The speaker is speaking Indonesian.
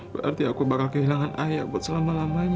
berarti aku bakal kehilangan ayah buat selama lamanya